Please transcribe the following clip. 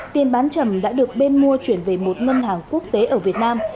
tiền bán chậm đã được bên mua chuyển về một ngân hàng quốc tế ở việt nam